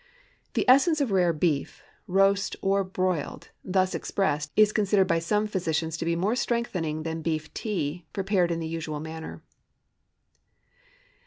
The essence of rare beef—roast or broiled—thus expressed, is considered by some physicians to be more strengthening than beef tea, prepared in the usual manner.